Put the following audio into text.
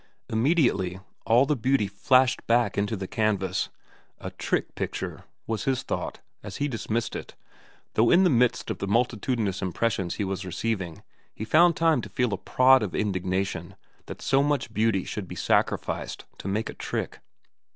Immediately all the beauty flashed back into the canvas. "A trick picture," was his thought, as he dismissed it, though in the midst of the multitudinous impressions he was receiving he found time to feel a prod of indignation that so much beauty should be sacrificed to make a trick.